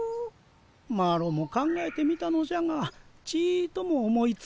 マロも考えてみたのじゃがちとも思いつかぬのじゃ。